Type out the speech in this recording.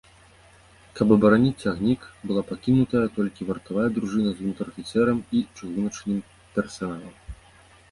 Каб абараніць цягнік, была пакінутая толькі вартавая дружына з унтэр-афіцэрам і чыгуначным персаналам.